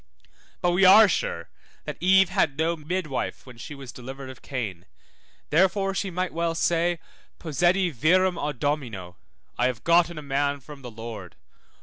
But we are sure that Eve had no midwife when she was delivered of Cain, therefore she might well say, Possedi virum à Domino, I have gotten a man from the Lord, 77 Gen. 4:1.